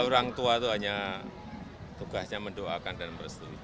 ya orang tua tuh hanya tugasnya mendoakan dan merestui